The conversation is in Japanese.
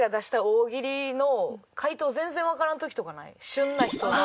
旬な人の。